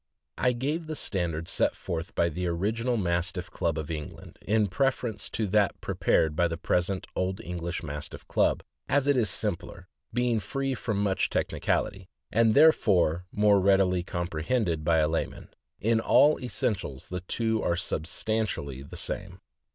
I give the standard set forth by the original Mastiff Club of England, in preference to that prepared by the present Old English Mastiff Club, as it is simpler, being free from much technicality, and therefore more readily compre hended by a layman. In all essentials the two are sub stantially the same.